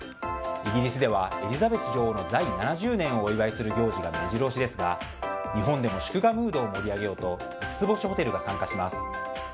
イギリスではエリザベス女王の在位７０年をお祝いする行事が目白押しですが日本でも祝賀ムードを盛り上げようと五つ星ホテルが参加します。